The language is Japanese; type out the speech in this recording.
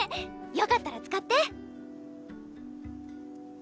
よかったら使って。